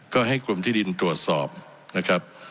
ก็ให้กรมที่ดินตรวจสอบนะครับ